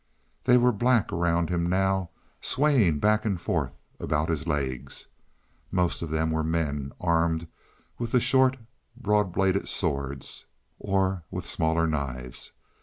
They were black around him now, swaying back and forth about his legs. Most of them were men, armed with the short, broad bladed swords, or with smaller knives.